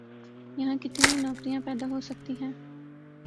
یہاں کتنی نوکریاں پیدا ہو سکتی ہیں؟